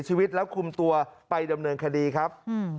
ใช่ครับแล้วก็หยิบมีดมาแทงเขาใช่ครับ